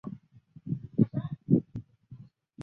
飞行器通常在机场过夜完成此项检查。